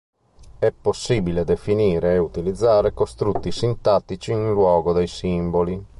È possibile definire e utilizzare costrutti sintattici in luogo dei simboli.